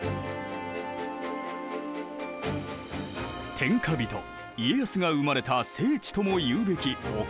天下人家康が生まれた聖地ともいうべき岡崎城。